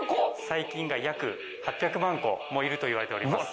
細菌が約８００万個もいるといわれております